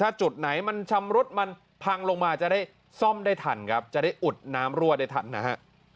ถ้าจุดไหนมันชำรุดมันพังลงมาจะได้ซ่อมได้ทันครับจะได้อุดน้ำรั่วได้ทันนะฮะ